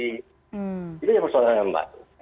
itu yang persoalannya mbak